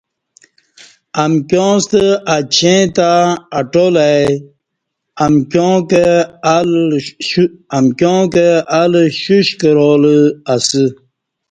امکیاں ستہ اچیں تہ اٹال ای، امکیاں کہ ال شوش کرالہ اسہ